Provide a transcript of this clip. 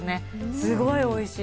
すごくおいしい！